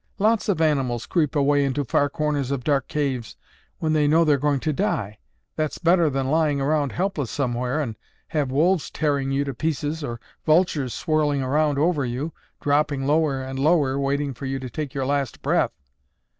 "Lots of animals creep away into far corners of dark caves when they know they're going to die. That's better than lying around helpless somewhere, and have wolves tearing you to pieces or vultures swirling around over you, dropping lower and lower, waiting for you to take your last breath.